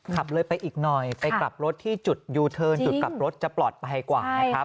ขับเลยไปอีกหน่อยไปกลับรถที่จุดยูเทิร์นจุดกลับรถจะปลอดภัยกว่านะครับ